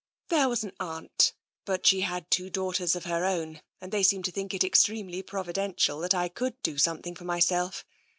" There was an aunt, but she had two daughters of her own, and they seemed to think it extremely provi dential that I could do something for myself.